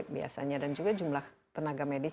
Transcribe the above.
biasanya dan juga jumlah tenaga medis